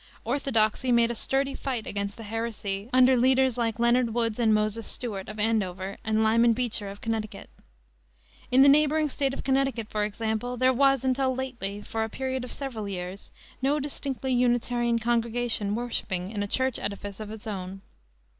Orthodoxy made a sturdy fight against the heresy, under leaders like Leonard Woods and Moses Stuart, of Andover, and Lyman Beecher, of Connecticut. In the neighboring State of Connecticut, for example, there was until lately, for a period of several years, no distinctly Unitarian congregation worshiping in a church edifice of its own.